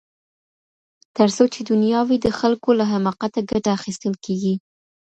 تر څو چي دنیا وي د خلګو له حماقته ګټه اخیستل کیږي.